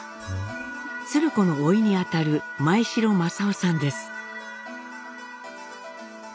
鶴子のおいにあたる前城正雄さんです。